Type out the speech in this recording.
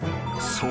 ［そう！